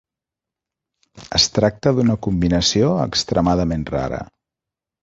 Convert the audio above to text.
Es tracta d'una combinació extremadament rara.